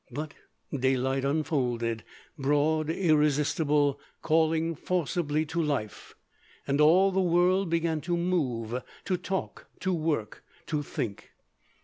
But daylight unfolded, broad, irresistible, calling forcibly to life, and all the world began to move, to talk, to work, to think.